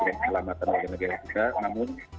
keselamatan warga negara kita namun